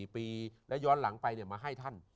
๔ปีและย้อนหลังไปมาให้ท่าน